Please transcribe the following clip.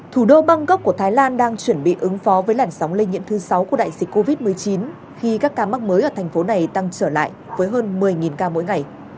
thủ đô bangkok của thái lan đang chuẩn bị ứng phó với làn sóng lây nhiễm thứ sáu của đại dịch covid một mươi chín khi các ca mắc mới ở thành phố này tăng trở lại với hơn một mươi ca mỗi ngày